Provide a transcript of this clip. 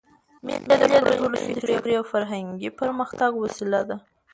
مېلې د ټولني د فکري او فرهنګي پرمختګ وسیله ده.